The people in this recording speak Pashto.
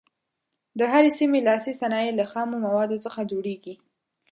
د هرې سیمې لاسي صنایع له خامو موادو څخه جوړیږي.